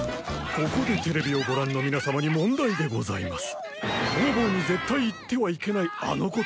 ここでテレビをご覧の皆様に問題でございます。